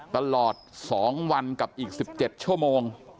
ตลอด๒วันกับอีก๑๗ชั่วโมง